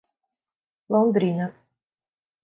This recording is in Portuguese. Londrina